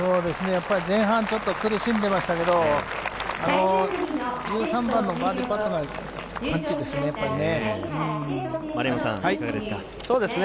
前半ちょっと苦しんでいましたけど、１３番のバーディーからのマッチですね。